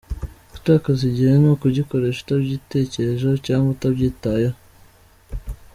Gutakaza igihe ni ukugikoresha utabitekerejeho cyangwa utabyitayeho.